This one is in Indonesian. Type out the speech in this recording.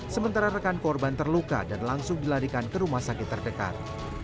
sementara rekan korban terluka dan langsung dilarikan ke rumah sakit terdekat